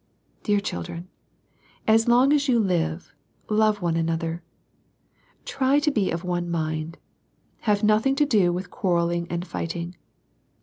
Dear children, as long as you live, love one another. Try to be of one mind. Have nothing to do with quarrelling and fighting.